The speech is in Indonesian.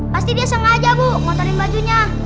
pasti dia sengaja bu ngotorin bajunya